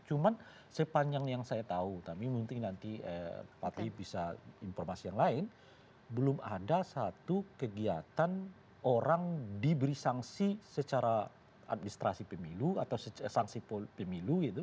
jadi sepanjang yang saya tahu tapi mungkin nanti pak li bisa informasi yang lain belum ada satu kegiatan orang diberi sanksi secara administrasi pemilu atau sanksi pemilu gitu karena diduga melakukan kampanye bohong